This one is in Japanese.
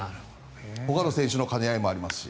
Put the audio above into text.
ほかの選手の兼ね合いもありますし。